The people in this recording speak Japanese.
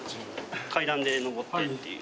階段で上ってっていう。